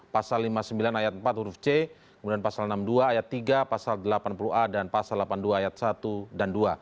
pasal lima puluh sembilan ayat empat huruf c kemudian pasal enam puluh dua ayat tiga pasal delapan puluh a dan pasal delapan puluh dua ayat satu dan dua